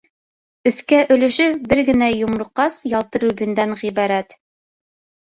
Өҫкә өлөшө бер генә йомроҡас ялтыр рубиндан ғибәрәт.